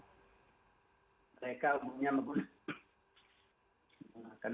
mereka umumnya menggunakan enam